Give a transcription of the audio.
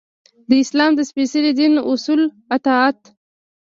د اسلام د سپیڅلي دین اصولو اطاعت.